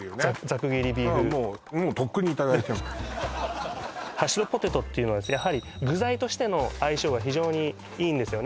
ザク切りビーフハッシュドポテトっていうのはやはり具材としての相性が非常にいいんですよね